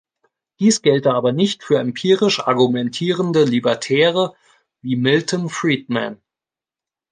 Dies gelte aber nicht für empirisch argumentierende Libertäre wie Milton Friedman.